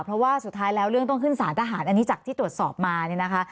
เพราะว่าสุดท้ายแล้วเรื่องต้องขึ้นสารทหารอันนี้จากที่ตรวจสอบมาเนี่ยนะคะ